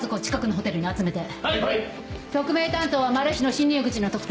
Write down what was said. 特命担当はマル被の侵入口の特定。